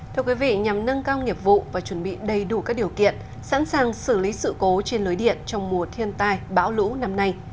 thưa quý vị nhằm nâng cao nghiệp vụ và chuẩn bị đầy đủ các điều kiện sẵn sàng xử lý sự cố trên lưới điện trong mùa thiên tai bão lũ năm nay